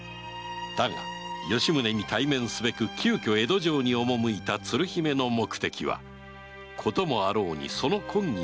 だが吉宗に対面すべく急遽江戸城に赴いた鶴姫の目的はこともあろうにその婚儀を断るためである